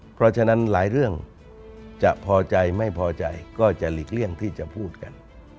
เพราะฉะนั้นหลายเรื่องจะพอใจไม่พอใจก็จะหลีกเลี่ยงที่จะพูดกัน